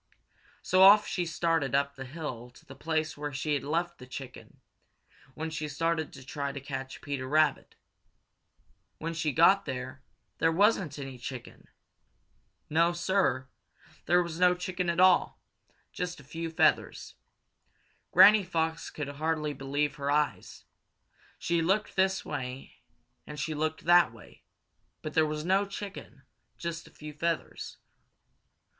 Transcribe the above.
So off she started up the hill to the place where she had left the chicken when she started to try to catch Peter Rabbit. When she got there, there wasn't any chicken. No, Sir, there was no chicken at all just a few feathers. Granny Fox could hardly believe her own eyes. She looked this way and she looked that way, but there was no chicken, just a few feathers.